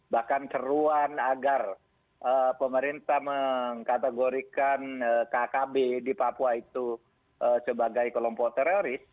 bahkan keruan agar pemerintah mengkategorikan kkb di papua itu sebagai kelompok teroris